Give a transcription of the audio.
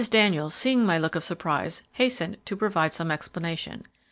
Daniels, seeing my look of surprise, hastened to provide some explanation.